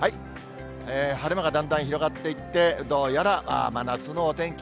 晴れ間がだんだん広がっていって、どうやら真夏のお天気。